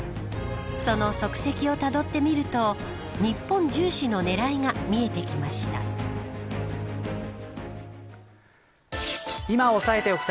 その足跡をたどってみると日本重視の狙いが見えてきました。